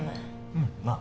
うんまあ